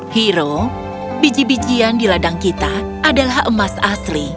hero biji bijian di ladang kita adalah emas asli